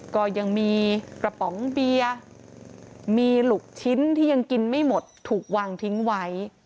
ก็ยังมีกระป๋องเบียร์มีลูกชิ้นที่ยังกินไม่หมดถูกวางทิ้งไว้